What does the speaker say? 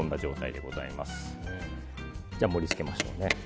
では盛り付けましょうね。